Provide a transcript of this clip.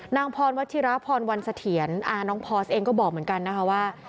นางพรวัชิราพรวันเสถียรอาน้องพอร์สเองก็บอกเหมือนกันนะคะว่า